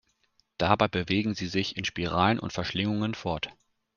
Dabei bewegen sie sich in Spiralen und Verschlingungen fort.